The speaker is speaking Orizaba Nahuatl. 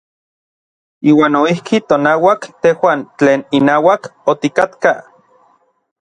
Iuan noijki tonauak tejuan tlen inauak otikatkaj.